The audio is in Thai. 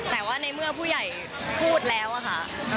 แต่ว่าในเมื่อผู้ใหญ่พูดแล้วอะค่ะ